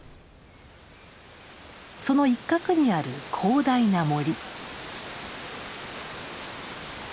その一角にある広大な森。